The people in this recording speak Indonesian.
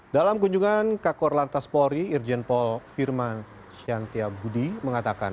dalam kunjungan kakor lantas polri irjen pol firman syantia budi mengatakan